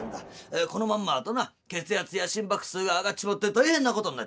このまんまだとな血圧や心拍数が上がっちまって大変なことになっちまう。